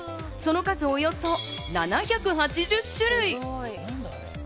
その数なんと７８０種類。